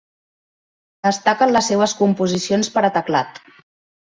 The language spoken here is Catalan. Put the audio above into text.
Destaquen les seves composicions per a teclat.